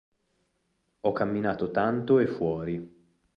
Ho camminato tanto e fuori